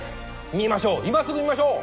見ましょう今すぐ見ましょう！